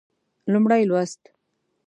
لومړی لوست